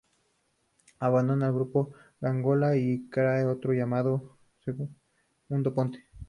Abando el grupo La Góndola y crea otro llamado Il Ponte.